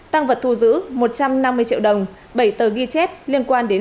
tăng vật thu giữ một trăm năm mươi triệu đồng bảy tờ ghi chép liên quan đến